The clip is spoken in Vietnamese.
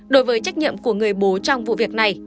đối với trách nhiệm của người bố trong vụ việc này